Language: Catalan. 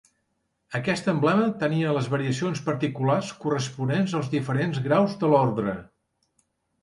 Aquest emblema tenia les variacions particulars corresponents als diferents graus de l'Ordre.